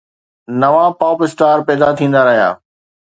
نوان pop star پيدا ٿيندا رهيا.